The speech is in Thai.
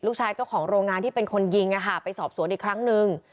เจ้าของโรงงานที่เป็นคนยิงไปสอบสวนอีกครั้งหนึ่ง